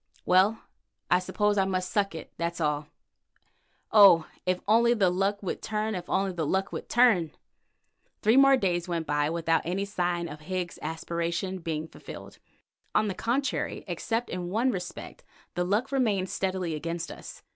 Well, I suppose I must suck it, that's all. Oh! if only the luck would turn, if only the luck would turn!" Three more days went by without any sign of Higgs's aspiration being fulfilled. On the contrary, except in one respect, the luck remained steadily against us.